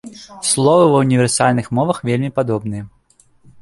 Словы ва універсальных мовах вельмі падобныя.